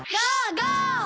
ゴー！